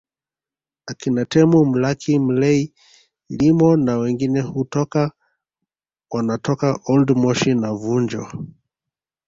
Akina Temu Mlaki Mlay Lyimo na wengine hutoka wanatoka Old Moshi na Vunjo